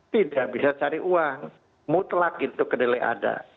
tidak bisa cari uang mutlak itu kedelai ada